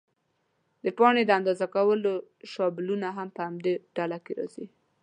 د پاڼې د اندازه کولو شابلونونه هم په همدې ډله کې راځي.